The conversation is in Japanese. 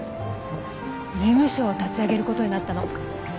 事務所を立ち上げることになったの。